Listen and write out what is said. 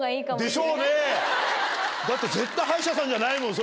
だって絶対歯医者さんじゃないもん